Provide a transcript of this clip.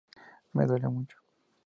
Me duele mucho.